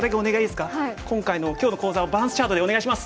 今回の今日の講座をバランスチャートでお願いします！